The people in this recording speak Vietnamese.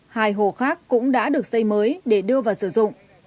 hai hồ khác cũng đã được xây mới để đưa vào sử dụng